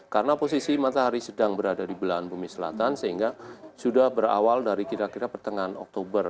karena posisi matahari sedang berada di belahan bumi selatan sehingga sudah berawal dari kira kira pertengahan oktober